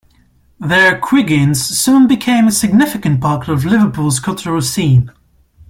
There Quiggins soon became a significant part of Liverpool's cultural scene.